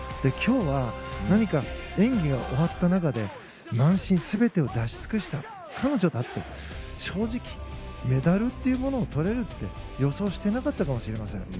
今日は何か演技が終わった中で満身、全てを出し尽くした彼女だって、正直メダルというものをとれるって予想していなかったかもしれません。